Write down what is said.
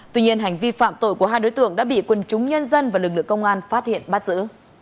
tuy nhiên hành vi phạm tội của hai đối tượng đã bị quân chúng nhân dân và lực lượng công an phát hiện bắt giữ